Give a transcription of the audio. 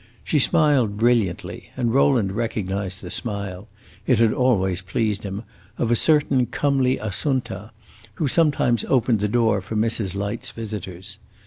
She smiled brilliantly, and Rowland recognized the smile (it had always pleased him) of a certain comely Assunta, who sometimes opened the door for Mrs. Light's visitors.